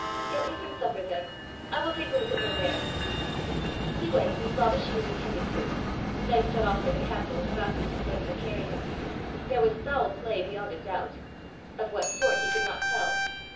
"Get me some supper then. I will take a look at my mare." He went and saw that she was attended to then set off for the castle as fast as his legs would carry him. There was foul play beyond a doubt! of what sort he could not tell!